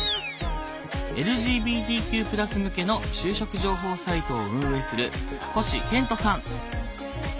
ＬＧＢＴＱ＋向けの就職情報サイトを運営する星賢人さん。